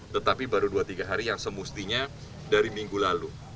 tetapi baru dua tiga hari yang semestinya dari minggu lalu